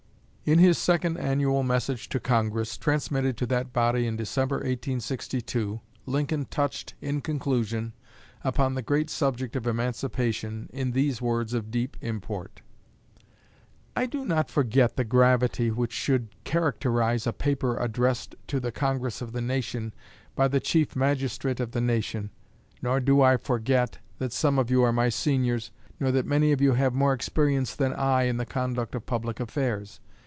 In his second annual message to Congress, transmitted to that body in December, 1862, Lincoln touched, in conclusion, upon the great subject of Emancipation, in these words of deep import: I do not forget the gravity which should characterize a paper addressed to the Congress of the nation by the Chief Magistrate of the nation. Nor do I forget that some of you are my seniors, nor that many of you have more experience than I in the conduct of public affairs.